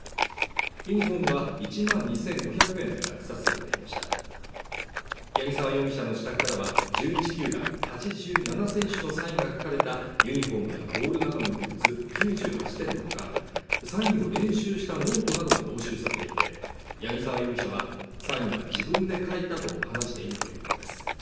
ユニホームは１万２５００円で落札されていました八木沢容疑者の自宅からは１１球団８７選手のサインが書かれたユニホームやボールなどのグッズ９８点が押収されていてサインを練習したノートなどが押収されていて八木沢容疑者はサインは自分で書いたと話しているということです